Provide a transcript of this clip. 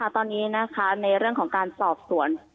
ตอนนี้ในเรื่องของการสอบสวน